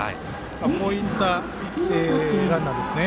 こういったランナーですね。